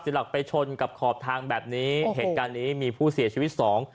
หลักไปชนกับขอบทางแบบนี้เหตุการณ์นี้มีผู้เสียชีวิตสอง